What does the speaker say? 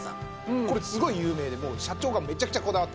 これすごい有名で社長がめちゃくちゃこだわってます。